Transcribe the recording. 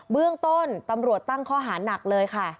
เบื้องต้นตำรวจตั้งข้อหานักเลยค่ะ